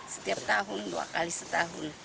setiap tahun dua kali setahun